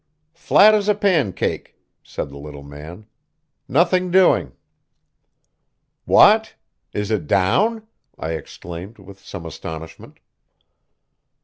"Flat as a pancake," said the little man. "Nothing doing." "What! Is it down?" I exclaimed with some astonishment.